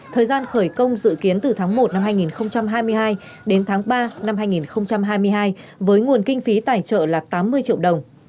thời gian khởi công dự kiến từ tháng một năm hai nghìn hai mươi hai đến tháng ba năm hai nghìn hai mươi hai với nguồn kinh phí tài trợ là tám mươi triệu đồng